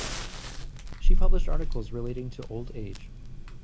She published articles relating to old age.